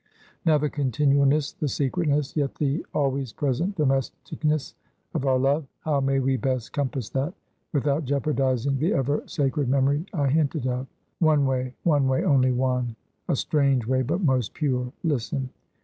Now the continualness, the secretness, yet the always present domesticness of our love; how may we best compass that, without jeopardizing the ever sacred memory I hinted of? One way one way only one! A strange way, but most pure. Listen.